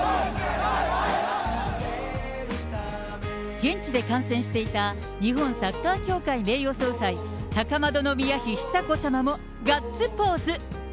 現地で観戦していた日本サッカー協会名誉総裁、高円宮妃久子さまもガッツポーズ。